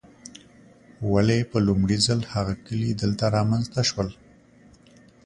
ولې په لومړي ځل هغه کلي دلته رامنځته شول.